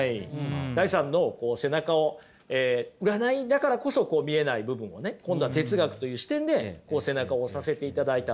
ダイさんの背中を占いだからこそ見えない部分をね今度は哲学という視点で背中を押させていただいたと。